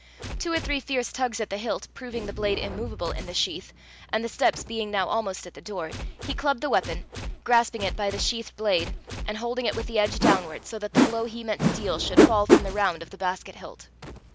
Two or three fierce tugs at the hilt proving the blade immovable in the sheath, and the steps being now almost at the door, he clubbed the weapon, grasping it by the sheathed blade, and holding it with the edge downward, so that the blow he meant to deal should fall from the round of the basket hilt.